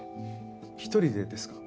一人でですか？